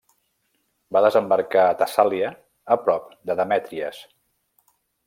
Va desembarcar a Tessàlia, a prop de Demètries.